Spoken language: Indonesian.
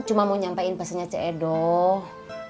cuma mau nyampaikan pasalnya cedoh